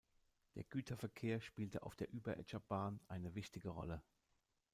Der Güterverkehr spielte auf der Überetscher Bahn eine wichtige Rolle.